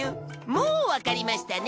もうわかりましたね？